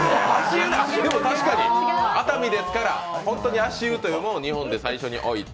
確かに、熱海ですから本当に足湯というのも日本で最初においた。